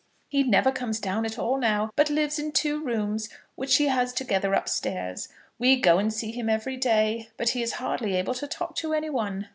He never comes down at all now, but lives in two rooms, which he has together up stairs. We go and see him every day, but he is hardly able to talk to any one.